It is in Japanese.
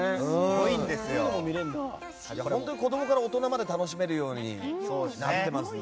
本当に子供から大人まで楽しめるようになってますね。